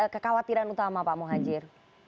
kekhawatiran utama pak muhajir